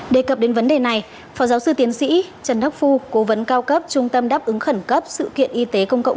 đề cập đến vấn đề này phó giáo sư tiến sĩ trần đắc phu cố vấn cao cấp trung tâm đáp ứng khẩn cấp sự kiện y tế công cộng